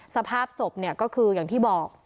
สภาพศพเนี่ยก็คืออย่างที่บอก